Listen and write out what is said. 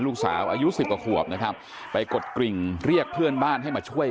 ลูกสาวอายุสิบกว่าขวบนะครับไปกดกริ่งเรียกเพื่อนบ้านให้มาช่วย